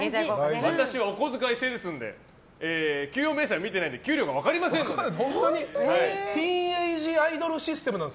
私はお小遣い制ですので給与明細見ないと給料が分かりませんので。